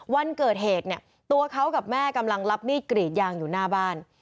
วันเกิดเหตุเนี่ยตัวเขากับแม่กำลังรับมีดกรีดยางอยู่หน้าบ้าน